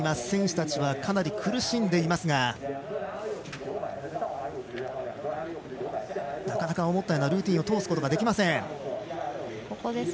選手たちはかなり苦しんでいますがなかなか思ったようなルーティンを通すことができません。